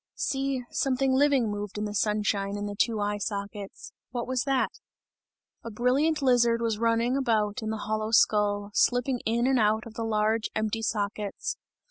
See, something living moved in the sunshine in the two eye sockets; what was that? A brilliant lizard was running about in the hollow skull, slipping in and out of the large, empty sockets.